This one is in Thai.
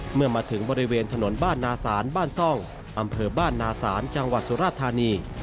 เมื่อมาถึงบริเวณถนนบ้านนาศาลบ้านซ่องอำเภอบ้านนาศาลจังหวัดสุราธานี